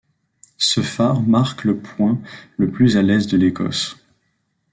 Ce phare marque le point le plus à l'est de l'Écosse.